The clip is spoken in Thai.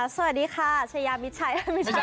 สวัสดีค่ะฉายามิชัย